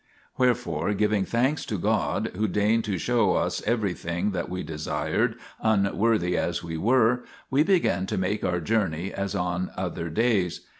Wherefore giving thanks to God Who deigned to show us every thing that we desired, unworthy as we were, we began to make our journey as on other days.